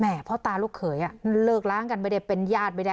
แหมพ่อตาลูกเขยอ่ะเลิกล้างกันไปได้เป็นญาติไปได้